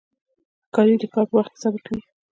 ښکاري د ښکار په وخت کې صبر کوي.